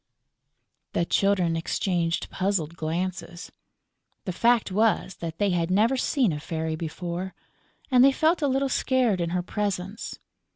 The Children exchanged puzzled glances. The fact was that they had never seen a fairy before; and they felt a little scared in her presence.